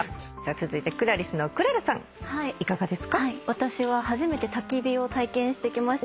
私は初めてたき火を体験してきました。